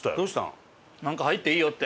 なんか入っていいよって。